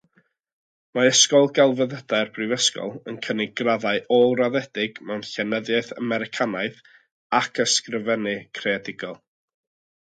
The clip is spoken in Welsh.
Mae Ysgol Gelfyddydau'r brifysgol yn cynnig graddau ôl-raddedig mewn Llenyddiaeth Americanaidd ac Ysgrifennu Creadigol.